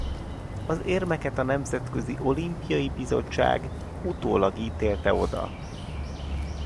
Az érmeket a Nemzetközi Olimpiai Bizottság utólag ítélte oda.